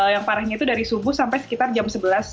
yang parahnya itu dari subuh sampai sekitar jam sebelas